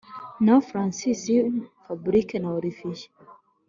naho francis, fabric na olivier